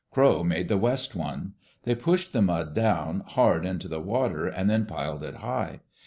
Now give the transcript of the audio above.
Crow made the west one. They pushed the mud down hard into the water and then piled it high.